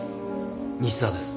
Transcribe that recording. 西沢です。